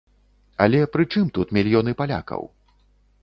Але пры чым тут мільёны палякаў?